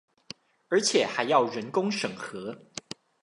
而且還要人工審核